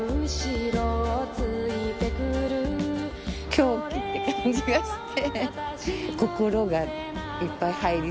狂気って感じがして。